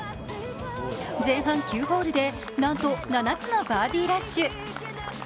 前半９ホールで、なんと７つのバーディーラッシュ。